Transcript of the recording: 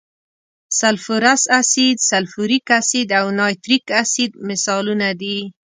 سلفورس اسید، سلفوریک اسید او نایتریک اسید مثالونه دي.